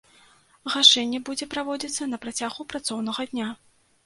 Гашэнне будзе праводзіцца на працягу працоўнага дня.